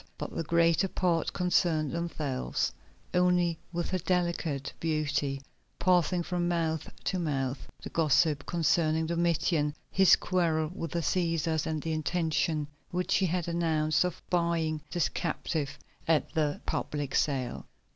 But the greater part concerned themselves only with her delicate beauty, passing from mouth to mouth the gossip concerning Domitian, his quarrel with the Cæsars, and the intention which he had announced of buying this captive at the public sale.